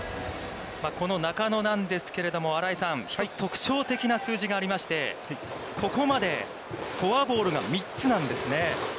この中野なんですけれども、新井さん、一つ特徴的な数字がありまして、ここまでフォアボールが３つなんですね。